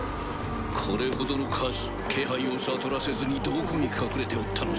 これほどの数気配を悟らせずにどこに隠れておったのじゃ？